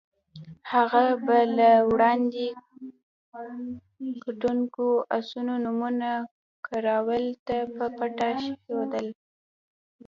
هغه به له وړاندې ګټونکو اسونو نومونه کراول ته په پټه ښودل.